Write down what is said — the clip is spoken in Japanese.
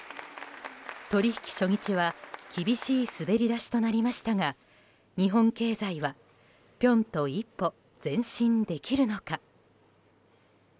取引初日は厳しい滑り出しとなりましたが日本経済はぴょんと一歩前進できるのか。